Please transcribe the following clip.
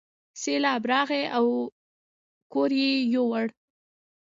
سیلاب راغی او کور یې یووړ.